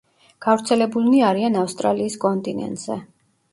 გავრცელებულნი არიან ავსტრალიის კონტინენტზე.